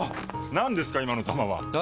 何ですか今の球は！え？